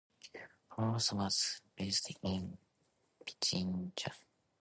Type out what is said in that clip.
Flores was raised in Pichincha.